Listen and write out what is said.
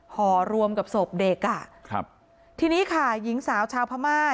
หอรวมกับสบเด็กอ่ะทีนี้ค่ะหญิงสาวชาวพระมาค